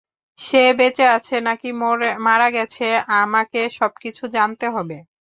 সে বেঁচে আছে নাকি মারা গেছে, আমাকে সবকিছু জানতে হবে।